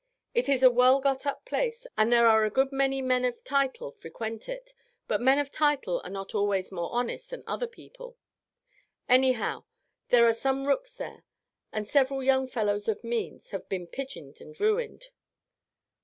It is a well got up place, and there are a good many men of title frequent it, but men of title are not always more honest than other people; anyhow, there are some rooks there, and several young fellows of means have been pigeoned and ruined.